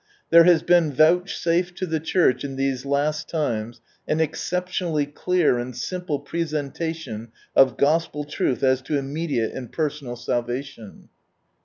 There has been vouchsafed to the Church in these last times an exceptionally clear and simple presentation of Gospel truth as to immediate and personal salvation.